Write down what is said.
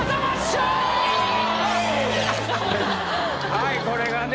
はいこれがね